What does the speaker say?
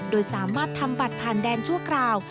โดยสามารถทำบัตรผ่านแดนชั่วคราว